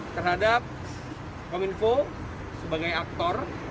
terhadap kominfo sebagai aktor